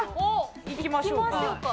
行きましょうか。